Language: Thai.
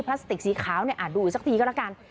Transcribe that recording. พลาสติกสีขาวเนี่ยดูอีกสักทีก็แล้วกัน